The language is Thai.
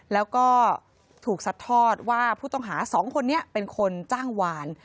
แล้วก็ถูกสัดทอดว่าผู้ต้องหา๒คนนี้เป็นคนจ้างวาน